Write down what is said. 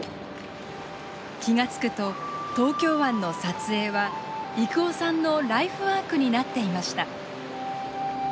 気が付くと東京湾の撮影は征夫さんのライフワークになっていました。